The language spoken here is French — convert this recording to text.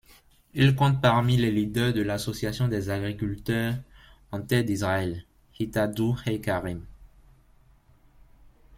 Il compte parmi les leaders de l'association des agriculteurs en Terre d'Israël, Hitahdout Haïkarim.